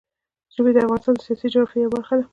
ژبې د افغانستان د سیاسي جغرافیه یوه برخه ده.